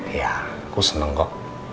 iya aku seneng kok